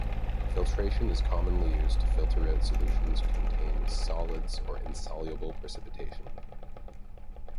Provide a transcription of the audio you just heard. Filtration is commonly used to filter out solutions contain solids or insoluble precipitation.